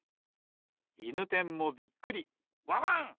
いぬてんもびっくりワワン！